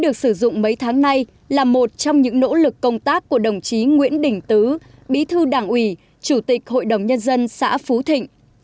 công tác của đồng chí nguyễn đình tứ bí thư đảng ủy chủ tịch hội đồng nhân dân xã phú thịnh